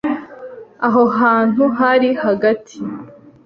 Aho hantu hari hagati.